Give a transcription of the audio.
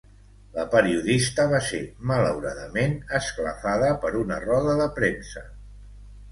La periodista va ser, malauradament, esclafada per una roda de premsa.